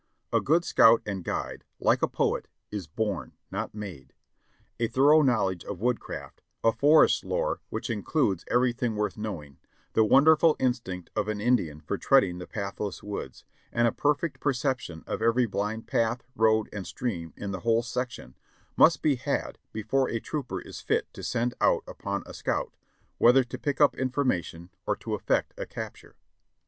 A good scout and guide, hke a poet, is born, not made. A thorough knowledge of woodcraft, a forest lore which includes everything worth knowing, the wonderful instinct of an Indian for treading the pathless woods, and a perfect perception of every blind path, road and stream in the whole section, must be had before a trooper is fit to send out upon a scout, whether to pick up information or to efifect a capture.